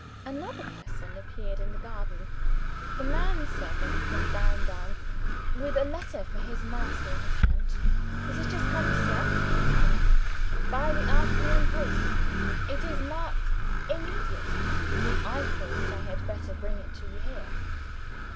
Another person appeared in the garden the man servant from Browndown; with a letter for his master in his hand. "This has just come, sir," said the man, "by the afternoon post. It is marked 'Immediate.' I thought I had better bring it to you here."